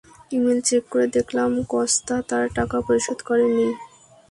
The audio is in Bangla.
ইমেইল চেক করে দেখলাম কস্তা তার টাকা পরিশোধ করেনি।